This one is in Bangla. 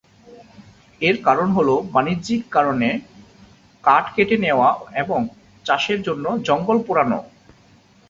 এর কারণ হল বাণিজ্যিক কারণে কাঠ কেটে নেওয়া এবং চাষের জন্য জঙ্গল পোড়ানো।